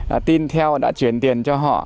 đã tin theo đã chuyển tiền cho họ